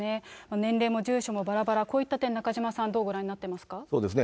年齢も住所もばらばら、こういった点、中島さん、どうご覧になっそうですね。